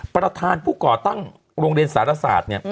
ประธานผู้ก่อตั้งโรงเรียนศาลศาสตร์